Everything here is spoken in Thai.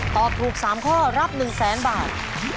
ตอบถูก๓ข้อรับ๑๐๐๐๐๐บาท